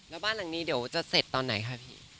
แล้วบ้านหลังนี้เดี๋ยวจะเสร็จตอนไหนคะพี่